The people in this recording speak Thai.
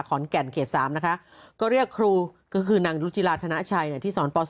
ขอนแก่นเขต๓นะคะก็เรียกครูก็คือนางรุจิลาธนชัยเนี่ยที่สอนป๔